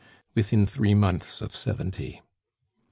"Within three months of seventy."